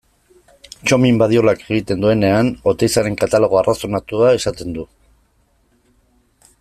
Txomin Badiolak egiten duenean Oteizaren katalogo arrazonatua esaten du.